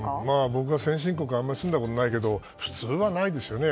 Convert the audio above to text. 僕は先進国にあまり住んだことないけど普通はないですよね。